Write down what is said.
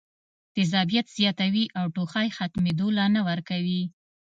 تېزابيت زياتوي او ټوخی ختمېدو له نۀ ورکوي